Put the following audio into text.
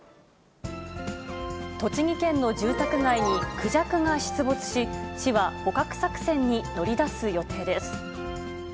栃木県の住宅街にクジャクが出没し、市は捕獲作戦に乗り出す予定です。